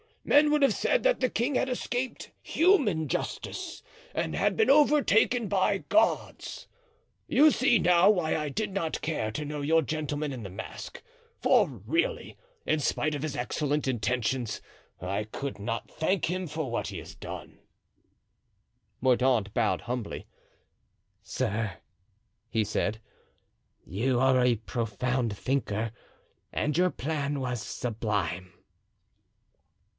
Men would have said that the king had escaped human justice and been overtaken by God's. You see now why I did not care to know your gentleman in the mask; for really, in spite of his excellent intentions, I could not thank him for what he has done." Mordaunt bowed humbly. "Sir," he said, "you are a profound thinker and your plan was sublime."